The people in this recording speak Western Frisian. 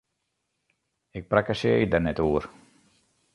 Ik prakkesearje der net oer!